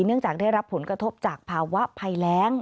เนื่องจากได้รับผลกระทบจากภาวะภัยแรง